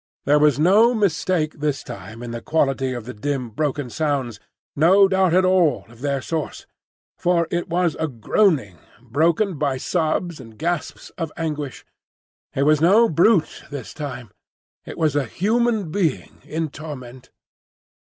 There was no mistake this time in the quality of the dim, broken sounds; no doubt at all of their source. For it was groaning, broken by sobs and gasps of anguish. It was no brute this time; it was a human being in torment!